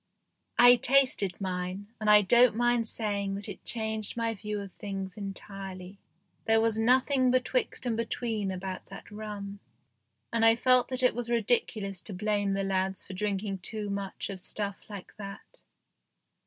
I tasted mine, and I don't mind saying that it changed my view of things entirely. There was nothing betwixt and between about that rum, and I felt that it was ridiculous to blame the lads for drinking too much of stuff like that.